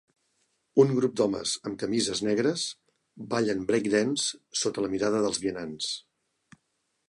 Un grup d'homes amb camises negres ballen breakdance sota la mirada dels vianants.